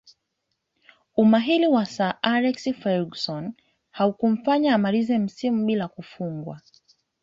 Umahiri wa Sir Alex Ferguson haukumfanya amalize msimu bila kufungwa